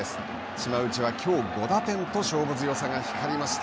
島内はきょう５打点と勝負強さが光りました。